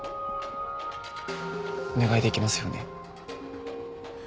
お願いできますよね？